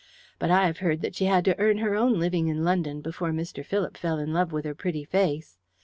But I have heard that she had to earn her own living in London before Mr. Philip fell in love with her pretty face.